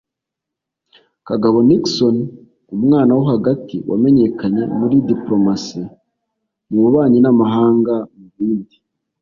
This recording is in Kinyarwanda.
Kagabo Nixon: Umwana wo hagati wamenyekanye muri diplomasi mububanyi n'amahanga, mubindi